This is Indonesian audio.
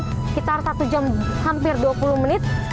sekitar satu jam hampir dua puluh menit